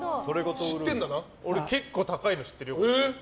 俺は結構高いの知ってるよ。